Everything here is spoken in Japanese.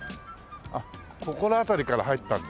あっここの辺りから入ったんだ。